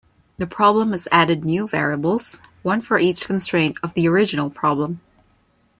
The problem is added new variables, one for each constraint of the original problem.